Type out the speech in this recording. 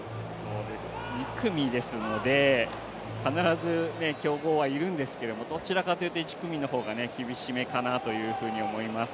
２組ですので、必ず強豪はいるんですけど、どちらかというと１組の方が厳しめかなと思います。